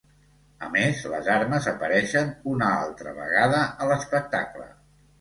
A més, les armes apareixen una altra vegada a l'espectacle.